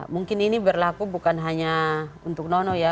mungkin ini berlaku bukan hanya untuk nono ya